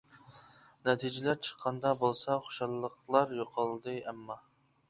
نەتىجىلەر چىققاندا بولسا، خۇشاللىقلار يوقالدى ئەمما.